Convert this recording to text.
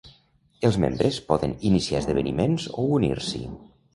Els membres poden iniciar esdeveniments o unir-s'hi.